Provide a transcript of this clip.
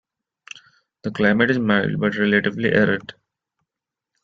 The climate is mild but relatively arid.